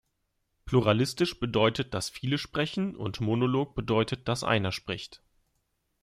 Pluralistisch bedeutet, dass viele sprechen, und Monolog bedeutet, dass einer spricht.